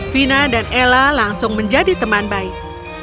vina dan ella langsung menjadi teman baik